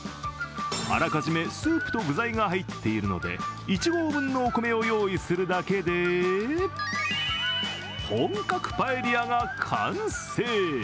あらかじめスープと具材が入っているので１合分のお米を用意するだけで、本格パエリアが完成。